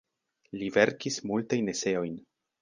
Li verkis multajn eseojn.